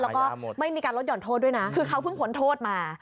แล้วก็ไม่มีการลดห่อนโทษด้วยนะคือเขาเพิ่งพ้นโทษมา